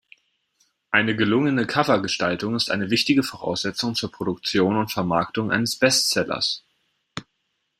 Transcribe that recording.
Eine gelungene Covergestaltung ist eine wichtige Voraussetzung zur Produktion und Vermarktung eines Bestsellers.